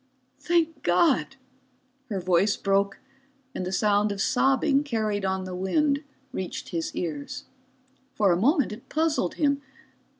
"Thank God!" Her voice broke, and the sound of sobbing carried on the wind reached his ears. For a moment it puzzled him.